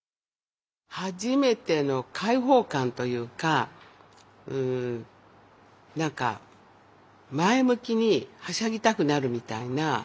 初めての解放感というかなんか前向きにはしゃぎたくなるみたいな。